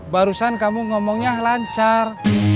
barusan kamu ngomongnya lancar